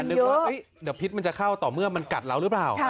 นึกว่าเดี๋ยวพิษมันจะเข้าต่อเมื่อมันกัดเราหรือเปล่า